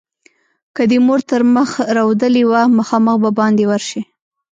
که دې مور تر مخ رودلې وه؛ مخامخ به باندې ورشې.